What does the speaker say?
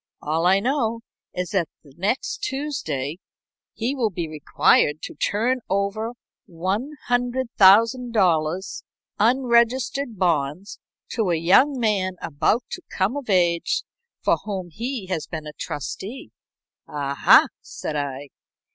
"All I know is that next Tuesday he will be required to turn over $100,000 unregistered bonds to a young man about to come of age, for whom he has been a trustee." "Aha!" said I.